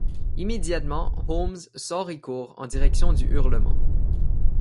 Immédiatement, Holmes sort et court en direction du hurlement.